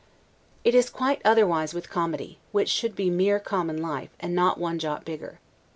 It is quite otherwise with Comedy, which should be mere common life, and not one jot bigger.